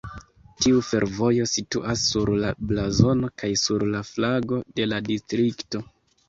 Tiu fervojo situas sur la blazono kaj sur la flago de la distrikto.